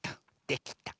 できた。